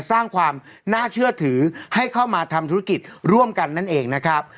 สร้างความน่าเชื่อถือให้เข้ามาทำธุรกิจร่วมกันนั่นเองนะครับ